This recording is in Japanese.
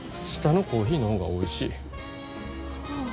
下のコーヒーの方がおいしい。